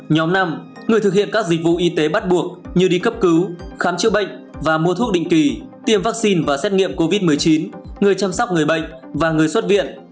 nhóm năm người thực hiện các dịch vụ y tế bắt buộc như đi cấp cứu khám chữa bệnh và mua thuốc định kỳ tiêm vaccine và xét nghiệm covid một mươi chín người chăm sóc người bệnh và người xuất viện